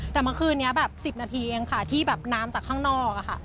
แต่เมื่อคืนนี้แบบ๑๐นาทีเองค่ะที่แบบน้ำจากข้างนอกอะค่ะ